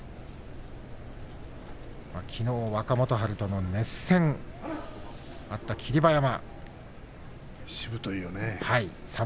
きのう若元春との熱戦があった霧馬山。